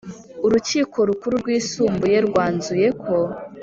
Urukiko rukuru rwisumbuye rwanzuyeko